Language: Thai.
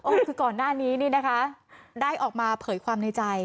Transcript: คือก่อนหน้านี้นี่นะคะได้ออกมาเผยความในใจ